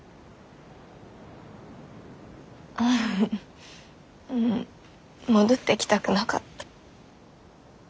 フフフ戻ってきたくなかった。